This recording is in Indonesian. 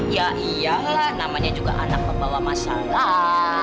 ya iya namanya juga anak pembawa masalah